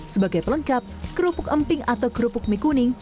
sebagai pelengkap kerupuk emping atau kerupuk mie kuning